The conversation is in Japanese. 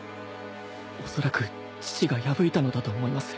おそらく父が破いたのだと思います。